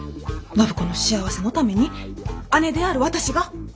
暢子の幸せのために姉である私が！